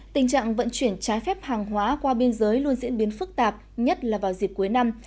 tình trạng vận chuyển trái phép hàng hóa qua biên giới luôn diễn biến phức tạp nhất là vào dịp cuối năm